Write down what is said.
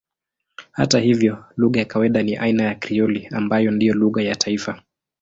Hata hivyo lugha ya kawaida ni aina ya Krioli ambayo ndiyo lugha ya taifa.